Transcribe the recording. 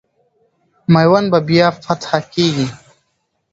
میوند به بیا فتح کېږي.